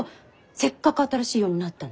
せっかく新しい世になったのに。